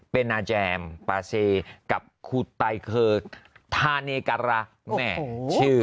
เป็นอาแจมปาเซกับคุตไตเคิร์ดทานีการะแหมชื่อ